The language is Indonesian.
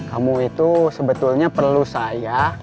kamu itu sebetulnya perlu saya